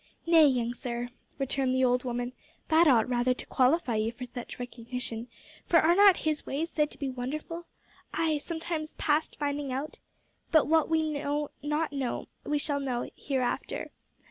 "Nay, young sir," returned the old woman, "that ought rather to qualify you for such recognition, for are not His ways said to be wonderful ay, sometimes `past finding out'? But what we know not now, we shall know hereafter.